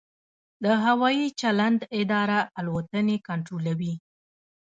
د هوايي چلند اداره الوتنې کنټرولوي